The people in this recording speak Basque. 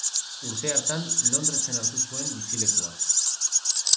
Urte hartan Londresen hartu zuen bizilekua.